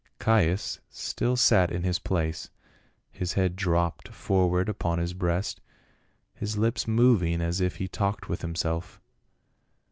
Caius still sat in his place, his head dropped for ward upon his breast, his lips moving as if he talked with himself.